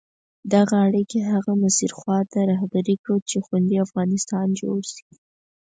دغه اړیکي هغه مسیر خواته رهبري کړو چې خوندي افغانستان جوړ شي.